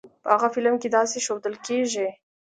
په هغه فلم کې داسې ښودل کېږی.